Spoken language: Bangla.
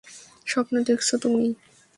স্বপ্ন দেখছ তুমি।